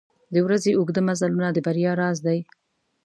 • د ورځې اوږده مزلونه د بریا راز دی.